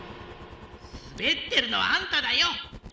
すべってるのはあんただよ！